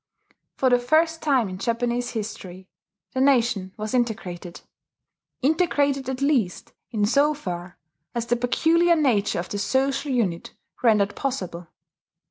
For the first time in Japanese history the nation was integrated, integrated, at least, in so far as the peculiar nature of the social unit rendered possible.